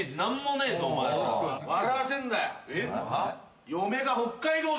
笑わせんなよ。